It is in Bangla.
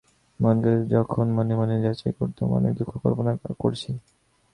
মনকে যখন মনে মনে যাচাই করতুম অনেক দুঃখ কল্পনা করেছি।